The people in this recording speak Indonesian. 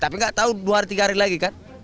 tapi tidak tahu dua atau tiga hari lagi